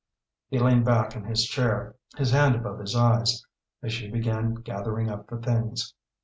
He leaned back in his chair, his hand above his eyes, as she began gathering up the things.